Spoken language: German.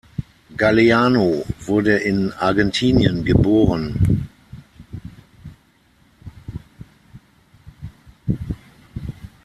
Galeano wurden in Argentinien geboren.